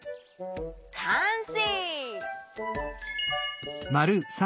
かんせい！